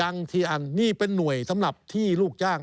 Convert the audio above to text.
ทีอันนี่เป็นหน่วยสำหรับที่ลูกจ้าง